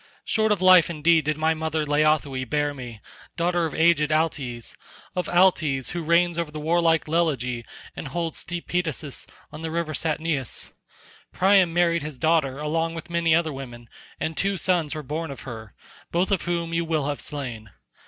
Short of life indeed did my mother Laothoe bear me, daughter of aged Altes—of Altes who reigns over the warlike Lelegae and holds steep Pedasus on the river Satnioeis. Priam married his daughter along with many other women and two sons were born of her, both of whom you will have slain.